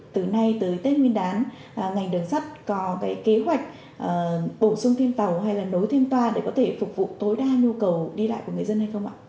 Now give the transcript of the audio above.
từ nay tới tết nguyên đán ngành đường sắt có cái kế hoạch bổ sung thêm tàu hay là nối thêm toa để có thể phục vụ tối đa nhu cầu đi lại của người dân hay không ạ